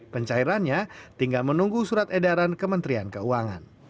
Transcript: pencairannya tinggal menunggu surat edaran kementerian keuangan